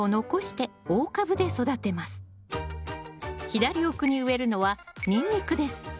左奥に植えるのはニンニクです。